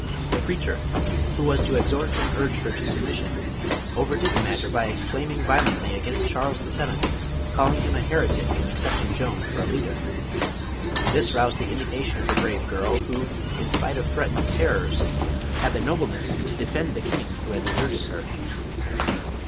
The preacher, who was to exhort and urge her to submission, overdid the mat tor by exclaiming violcnlly against Charles VII., call ing him a heretic in accepting Joan for a leader. This .1 the indignation of the brave girl who, in spito of threatened terrors, had t!ic nobleness to defend the king who had deserted her.